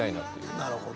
なるほど。